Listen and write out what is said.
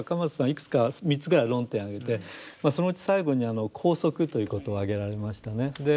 いくつか３つぐらい論点挙げてそのうち最後に拘束ということを挙げられましたね。